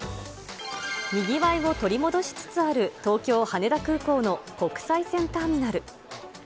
にぎわいを取り戻しつつある東京・羽田空港の国際線ターミナル。